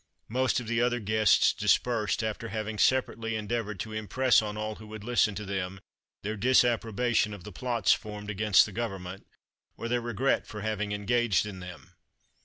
Most of the other guests dispersed, after having separately endeavoured to impress on all who would listen to them their disapprobation of the plots formed against the government, or their regret for having engaged in them.